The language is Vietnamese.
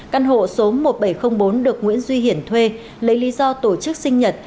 căn hộ số một nghìn bảy trăm linh bốn được nguyễn duy hiển thuê lấy lý do tổ chức sinh nhật